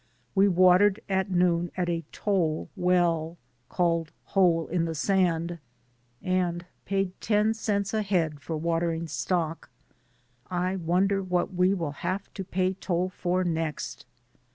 We watered at noon at a toll well, called Hole in the sand, and paid ten cents a head for watering stock. I wonder what we will have to pay toll for next